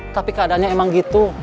tapi keadaannya emang gitu